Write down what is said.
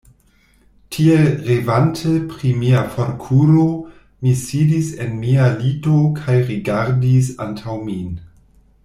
Tiel revante pri mia forkuro, mi sidis en mia lito kaj rigardis antaŭ min.